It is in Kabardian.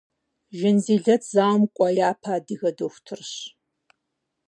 Жанзилэт зауэм кӏуа япэ адыгэ дохутырщ.